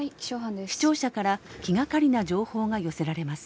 視聴者から気がかりな情報が寄せられます。